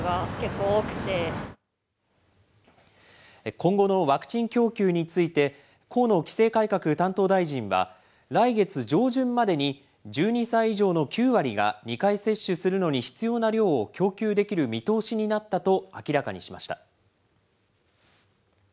今後のワクチン供給について、河野規制改革担当大臣は、来月上旬までに、１２歳以上の９割が２回接種するのに必要な量を供給できる見通しになったと明らかにしました。